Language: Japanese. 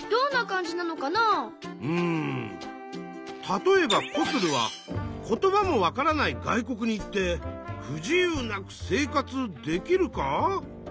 たとえばコスルは言葉もわからない外国に行って不自由なく生活できるか？